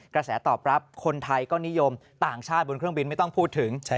กระแสตอบรับคนไทยก็นิยมต่างชาติบนเครื่องบินไม่ต้องพูดถึง